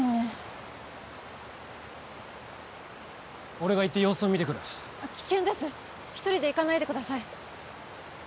俺が行って様子を見てくるあっ危険ですひとりで行かないでください